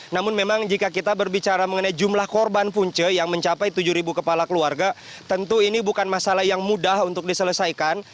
namun memang jika kita berbicara mengenai jumlah korban punce yang mencapai tujuh kepala keluarga tentu ini bukan masalah yang mudah untuk diselesaikan